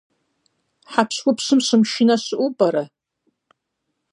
Хьэпщхупщхэм щымышынэ щыӏэу пӏэрэ?